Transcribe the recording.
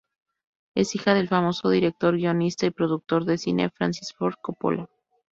Es hija del famoso director, guionista y productor de cine Francis Ford Coppola.